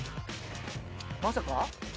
まさか？